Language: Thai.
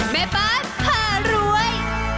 แม่บ้านผ่ารวย